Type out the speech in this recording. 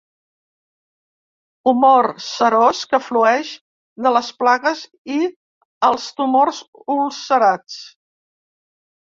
Humor serós que flueix de les plagues i els tumors ulcerats.